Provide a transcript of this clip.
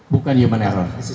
bukan human error